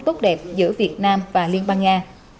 tốt đẹp giữa việt nam và liên bang nga